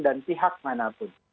dan pihak manapun